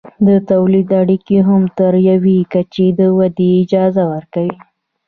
د تولید اړیکې هم تر یوې کچې د ودې اجازه ورکوي.